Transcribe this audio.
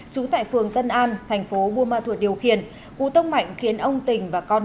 trú tại phường tân an thành phố buôn ma thuột điều khiển cú tông mạnh khiến ông tình và con